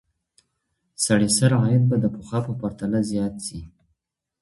سړي سر عاید به د پخوا په پرتله زیات سي.